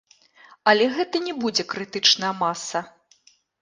Але гэта не будзе крытычная маса.